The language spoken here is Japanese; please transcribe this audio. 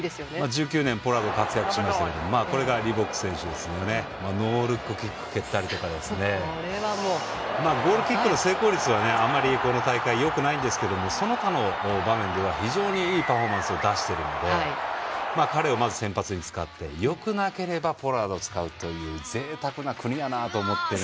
１９年、ポラードが活躍しましたけどノールックキックを蹴ったりゴールキックの成功率はあまりこの大会よくないんですけどその他では非常に、いいパフォーマンスを出してるんで彼をまず先発に使ってよくなければポラードを使うというぜいたくな国だなと思ってね。